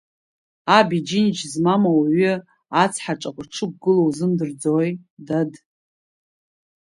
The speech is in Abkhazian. Аб иџьынџь змам ауаҩы, ацҳа ҿаҟәа дшықәгылоу узымдырӡои, дад.